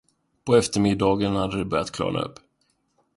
På eftermiddagen hade det börjat klarna upp.